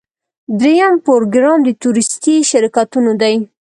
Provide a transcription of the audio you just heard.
دریم پروګرام د تورېستي شرکتونو دی.